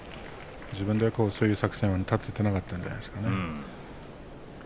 自分でそういう作戦は立てていなかったんではないですかね。